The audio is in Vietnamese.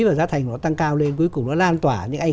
và giá thành nó tăng cao lên